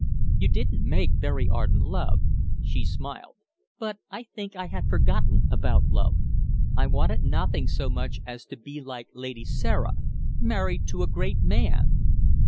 You didn't make very ardent love," she smiled, "but I think I had forgotten about love. I wanted nothing so much as to be like Lady Sarah married to a great man."